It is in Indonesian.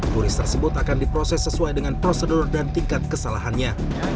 turis tersebut akan diproses sesuai dengan prosedur dan tingkat kesalahannya